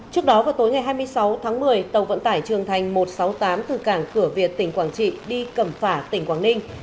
trước đó vào tối ngày hai mươi sáu tháng một mươi tàu vận tải trường thành một trăm sáu mươi tám từ cảng cửa việt tỉnh quảng trị đi cầm phả tỉnh quảng ninh